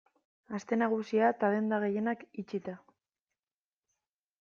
Aste Nagusia eta denda gehienak itxita.